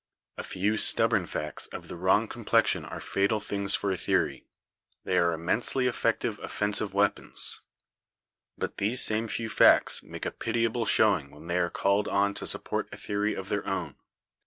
A few stubborn facts of the wrong complexion are fatal things for a theory ; they are immensely effective offensive weapons. But these same few facts make a pitiable show ing when they are called on to support a theory of their own.